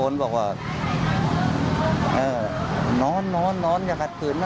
เสียงดังเลย